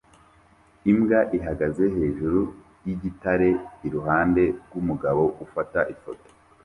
Imbwa ihagaze hejuru yigitare iruhande rwumugabo ufata ifoto